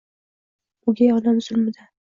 O’gay onam zulmidan